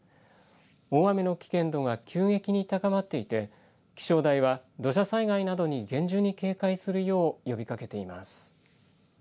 大雨の危険度は急激に高まっていて気象台は土砂災害などに厳重に警戒するよう呼びかけています。